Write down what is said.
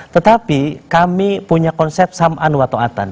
tetapi kami punya konsep sam an wa to atan